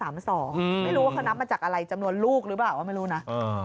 ไม่รู้ว่าเขานับมาจากอะไรจำนวนลูกหรือเปล่าก็ไม่รู้นะ